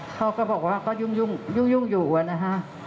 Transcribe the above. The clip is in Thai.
เขาก็บอกว่าก็ยุ่งอยู่นะฮะ